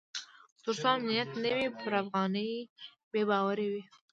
تر څو امنیت نه وي پر افغانۍ بې باوري وي.